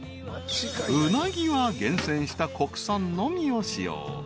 ［うなぎは厳選した国産のみを使用］